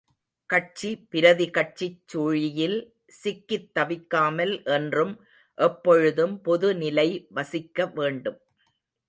கட்சி பிரதி கட்சிச் சுழியில் சிக்கித் தவிக்காமல் என்றும் எப்பொழுதும் பொதுநிலை வசிக்க வேண்டும்.